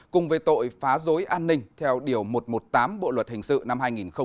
cùng về tội phá dối an ninh theo điều một trăm một mươi tám bộ luật hình sự năm hai nghìn một mươi năm